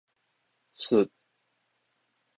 捽